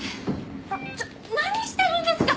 ちょっ何してるんですか！？